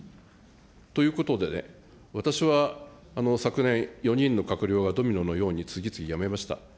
ということでね、私は、昨年、４人の閣僚がドミノのように次々辞めました。